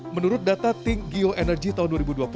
menurut data think geo energy tahun dua ribu dua puluh